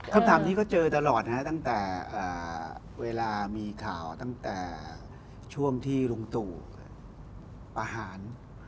คำถามนี้ก็เจอตลอดนะฮะตั้งแต่เวลามีข่าวตั้งแต่ช่วงที่ลุงตู่ประหาร